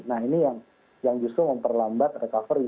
nah ini yang justru memperlambat recovery